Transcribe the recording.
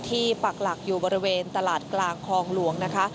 ปักหลักอยู่บริเวณตลาดกลางคลองหลวงนะคะ